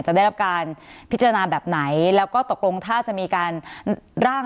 จะได้รับการพิจารณาแบบไหนแล้วก็ตกลงถ้าจะมีการร่าง